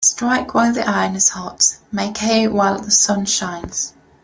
Strike while the iron is hot Make hay while the sun shines.